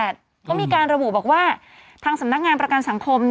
ก็มีการระบุบอกว่าทางสำนักงานประกันสังคม